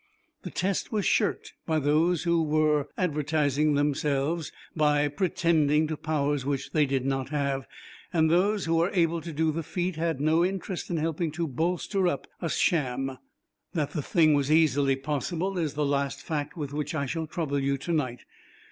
The test was shirked by those who are advertising themselves by pretending to powers which they did not have, and those who were able to do the feat had no interest in helping to bolster up a sham. That the thing was easily possible is the last fact with which I shall trouble you to night.